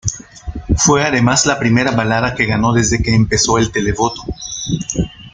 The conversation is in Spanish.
Fue además la primera balada que ganó desde que empezó el televoto.